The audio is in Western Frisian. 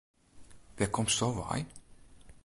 Wêr komsto wei?